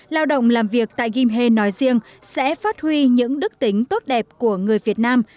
lao động làm việc tại gimhae nói riêng sẽ phát huy những đức tính tốt đẹp của người việt nam